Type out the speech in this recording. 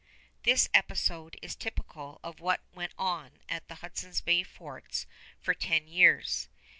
This episode is typical of what went on at the Hudson's Bay forts for ten years.